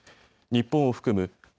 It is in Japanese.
日本を含むＧ７